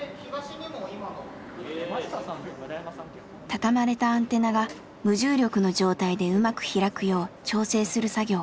畳まれたアンテナが無重力の状態でうまく開くよう調整する作業。